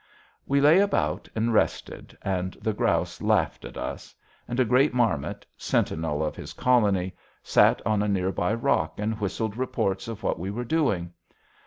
We lay about and rested, and the grouse laughed at us, and a great marmot, sentinel of his colony, sat on a near by rock and whistled reports of what we were doing.